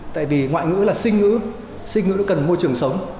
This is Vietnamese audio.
tại vì ngoại ngữ là sinh ngữ sinh ngữ cần môi trường sống